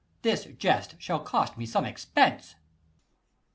This jest shall cost me some expense.